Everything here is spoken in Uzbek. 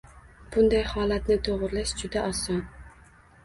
Bunday holatni to‘g‘rilash juda oson.